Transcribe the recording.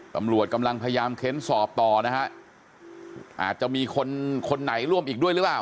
ตำรวจกำลังพยายามเค้นสอบต่อนะฮะอาจจะมีคนคนไหนร่วมอีกด้วยหรือเปล่า